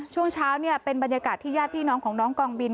ช่วงเช้าเป็นบรรยากาศที่ญาติพี่น้องของน้องกองบิน